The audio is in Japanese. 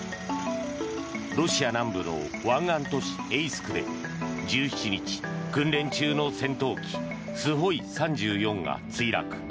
ロシア南部の湾岸都市エイスクで１７日、訓練中の戦闘機Ｓｕ３４が墜落。